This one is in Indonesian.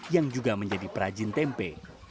yang juga menjadi perajin tempe